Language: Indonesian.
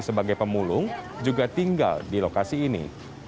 sebagai pemulung juga tinggal di lokasi ini